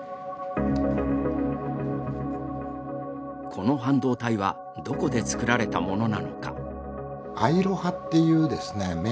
この半導体はどこで作られたものなのか。